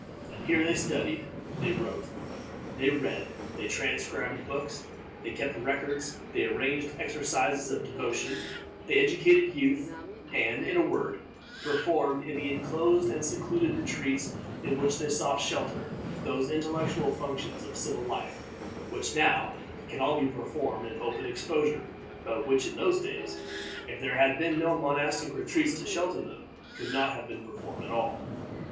Here they studied, they wrote, they read; they transcribed books, they kept records, they arranged exercises of devotion, they educated youth, and, in a word, performed, in the inclosed and secluded retreats in which they sought shelter, those intellectual functions of civil life which now can all be performed in open exposure, but which in those days, if there had been no monastic retreats to shelter them, could not have been performed at all.